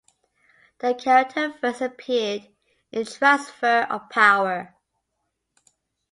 The character first appeared in Transfer of Power.